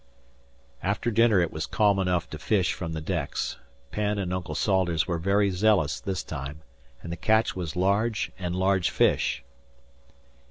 "After dinner it was calm enough to fish from the decks, Penn and Uncle Salters were very zealous this time, and the catch was large and large fish.